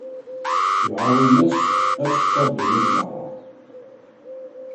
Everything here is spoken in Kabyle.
Lɛaḍima-s ad teččar ddunit merra.